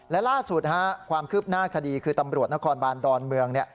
และล่าสุดความคืบหน้าคดีคือตำรวจนครบานดอนเมือง